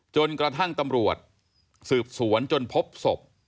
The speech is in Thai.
จนกระทั่งตำรวจสืบสวนจนพบศพ